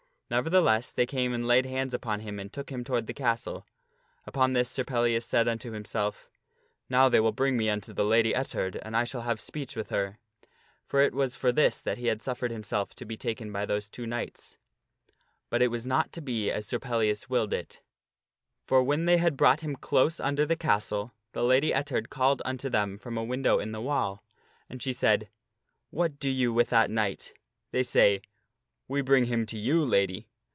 Nevertheless they came and laid hands upon him and took him toward the castle. Upon this Sir Pellias said unto himself, " Now they will bring me unto the Lady Ettard, and I shall have _. p /&. speech with her." For it was for this that he had suffered yields himself himself to be taken by those two knights. prisoner. But it was not to be as Sir Pellias willed it. For when they had brought him close under the castle, the Lady Ettard called unto them from a window in the wall. And she said, "What do you with that knight?" They say, " We bring him to you, Lady."